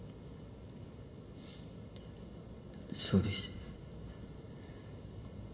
そうです。